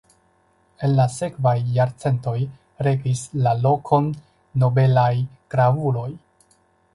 En la sekvaj jarcentoj regis la lokon nobelaj gravuloj.